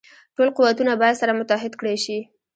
ټول قوتونه باید سره متحد کړه شي.